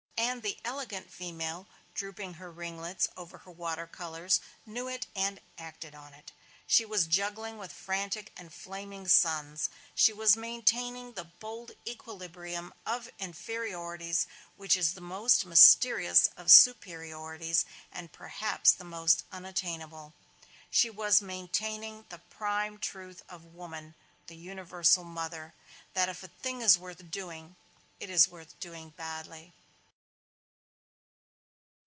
And the elegant female, drooping her ringlets over her water colors, knew it and acted on it. She was juggling with frantic and flaming suns. She was maintaining the bold equilibrium of inferiorities which is the most mysterious of superiorities and perhaps the most unattainable. She was maintaining the prime truth of woman, the universal mother: that if a thing is worth doing, it is worth doing badly.